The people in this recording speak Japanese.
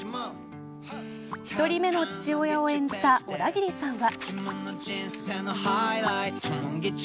１人目の父親を演じたオダギリさんは。